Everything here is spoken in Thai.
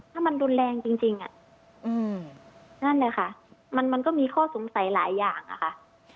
ถ้ามันรุนแรงจริงนั่นแหละค่ะมันก็มีข้อสงสัยหลายอย่างอะค่ะ